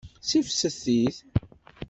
Ssifses-it.